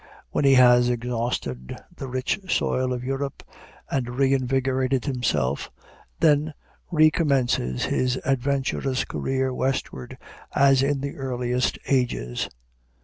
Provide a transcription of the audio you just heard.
When he has exhausted the rich soil of Europe, and reinvigorated himself, "then recommences his adventurous career westward as in the earliest ages."